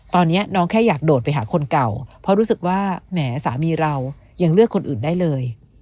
ตอนนี้น้องแค่อยากโดดไปหาคนเก่าเพราะรู้สึกว่าแหมสามีเรายังเลือกคนอื่นได้เลย